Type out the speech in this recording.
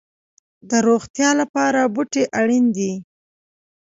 د روغتیا لپاره بوټي اړین دي